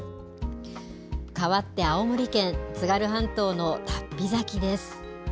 変わって青森県、津軽半島の龍飛崎です。